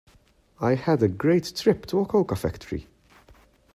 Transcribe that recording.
I had a great trip to a cocoa factory.